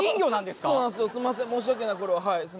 すいません申し訳ないこれははい。